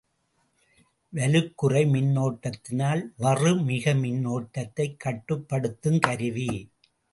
வலுக்குறை மின்னோட்டத்தினால் வறுமிகு மின்னோட்டத்தைக் கட்டுப்படுத்துங் கருவி.